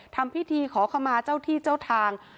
ทำพิธีขอขมาเจ้าที่เจ้าทาง